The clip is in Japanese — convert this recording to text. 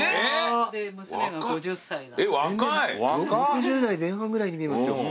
６０代前半ぐらいに見えますよ。